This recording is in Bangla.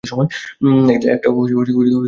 একটা ডিটেইলসও মিস করবে না।